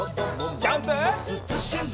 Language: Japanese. ジャンプ！